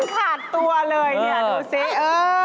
ขาดตัวเลยเนี่ยดูสิเออ